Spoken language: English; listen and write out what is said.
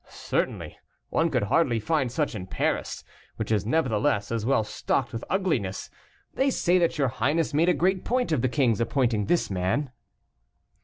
Certainly, one could hardly find such in Paris, which is nevertheless as well stocked with ugliness. They say that your highness made a great point of the king's appointing this man."